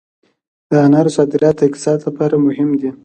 د انارو صادرات د اقتصاد لپاره مهم دي